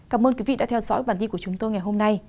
cảm ơn quý vị đã theo dõi bản tin của chúng tôi ngày hôm nay